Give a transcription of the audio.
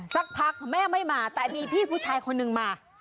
สักพักแม่ไม่มาแต่มีพี่ผู้ชายคนนึงมา